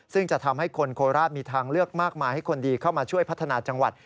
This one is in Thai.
ซึ่งจะทำให้คนโคราชมีทางเลือกมากมายให้คนดีเข้ามาช่วยพัฒนาจังหวัด